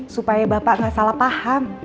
supaya bapak nggak salah paham